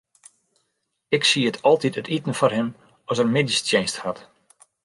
Ik sied altyd it iten foar him as er middeistsjinst hat.